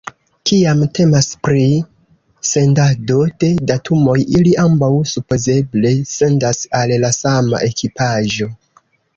Kiam temas pri sendado de datumoj, ili ambaŭ supozeble sendas al la sama ekipaĵo.